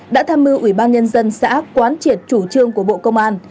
đã tham mưu ủy ban nhân dân xã quán triệt chủ trương của bộ công an